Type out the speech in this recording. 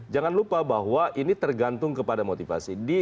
jangan lupa bahwa ini tergantung kepada motivasi